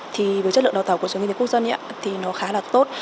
thì với chất lượng đào tạo của trường đại học kinh tế quốc dân thì nó khá là tốt